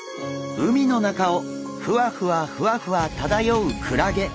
海の中をふわふわふわふわ漂うクラゲ。